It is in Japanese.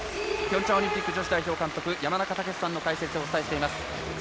ピョンチャンオリンピック女子日本代表監督山中武司さんの解説でお伝えしています。